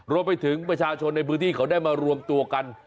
รวมไปถึงประชาชนในพื้นที่เขาได้มารวมตัวกัน